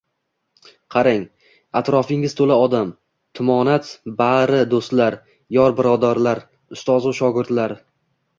Qarang: atrofingiz to‘la odam. Tumonat. Bari do‘stlar, yor-birodarlar, ustozu shogirdlar.